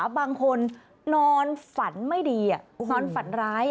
บางคนนอนฝันไม่ดีนอนฝันร้าย